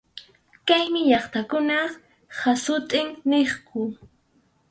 Chaymi llaqtakunap hasut’in niqku.